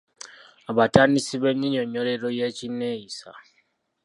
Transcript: Abatandisi b’ennyinyonnyolero y’Ekinneeyisa